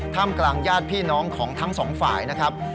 มกลางญาติพี่น้องของทั้งสองฝ่ายนะครับ